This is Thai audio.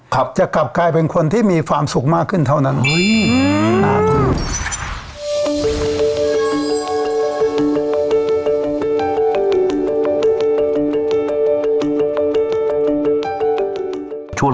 จะกลับกลายเป็นคนที่มีความสุขมากขึ้นเท่านั้น